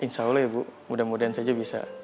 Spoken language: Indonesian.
insya allah ibu mudah mudahan saja bisa